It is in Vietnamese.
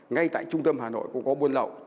ngay tại trung tâm hà nội cũng có buôn lậu